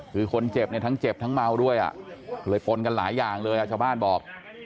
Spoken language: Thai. คือคนเจ็บเนี่ยทั้งเจ็บทั้งเมาด้วยเลยปนกันหลายอย่างเลยชาวบ้านบอก